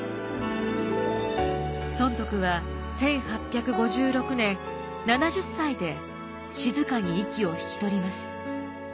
尊徳は１８５６年７０歳で静かに息を引き取ります。